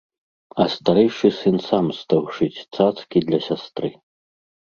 А старэйшы сын сам стаў шыць цацкі для сястры.